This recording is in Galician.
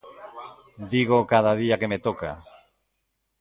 Dígoo cada día que me toca.